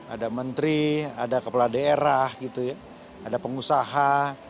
ada menteri ada kepala daerah ada pengusaha